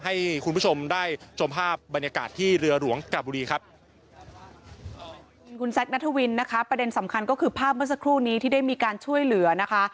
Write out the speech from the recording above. ให้คุณผู้ชมได้ชมภาพบรรยากาศที่เรือหลวงกาบุรีครับคุณแซคนัทวินนะคะประเด็นสำคัญก็คือภาพเมื่อสักครู่นี้ที่ได้มีการช่วยเหลือนะคะ